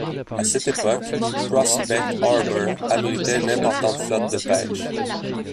À cette époque, Prospect Harbor abritait une importante flotte de pêche.